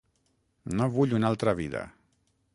No vull una altra vida.